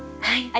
はい。